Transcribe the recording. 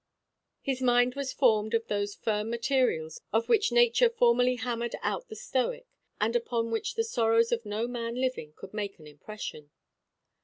His mind was formed of those firm materials of which nature formerly hammered out the Stoic, and upon which the sorrows of no man living could make an impression.